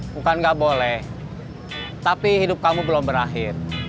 bukan nggak boleh tapi hidup kamu belum berakhir